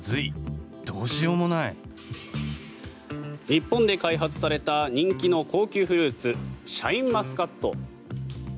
日本で開発された人気の高級フルーツシャインマスカット。